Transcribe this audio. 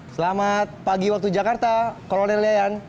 selamat pagi waktu jakarta kolonel lian